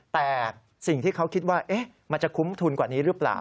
แต่สิ่งที่เขาคิดว่ามันจะคุ้มทุนกว่านี้หรือเปล่า